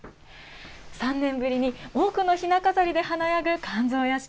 ３年ぶりに多くのひな飾りで華やぐ甘草屋敷。